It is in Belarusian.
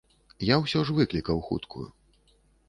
Я ўсё ж выклікаў хуткую.